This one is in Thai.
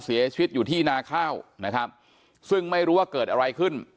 เสียชีวิตอยู่ที่นาข้าวนะครับซึ่งไม่รู้ว่าเกิดอะไรขึ้น